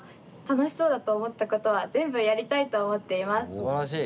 すばらしい！